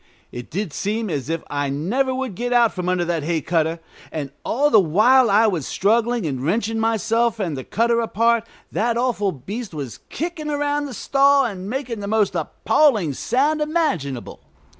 It did seem as if I never would get out from under that hay cutter; and all the while I was struggling and wrenching myself and the cutter apart, that awful beast was kicking around in the stall, and making the most appalling sound imaginable.